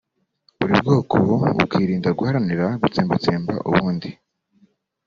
buri bwoko bukirinda guharanira gutsembatsemba ubundi